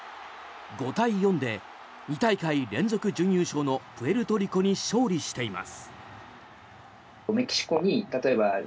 ５対４で、２大会連続準優勝のプエルトリコに勝利しています。